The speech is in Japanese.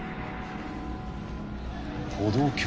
歩道橋。